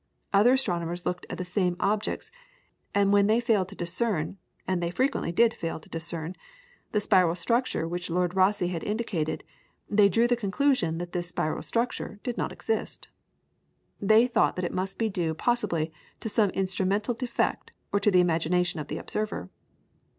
Other astronomers looked at the same objects, and when they failed to discern and they frequently did fail to discern the spiral structure which Lord Rosse had indicated, they drew the conclusion that this spiral structure did not exist. They thought it must be due possibly to some instrumental defect or to the imagination of the observer.